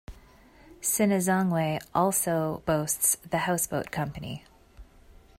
Sinazongwe also boasts The Houseboat Company.